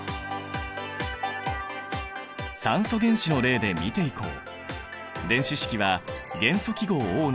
酸素原子の例で見ていこう。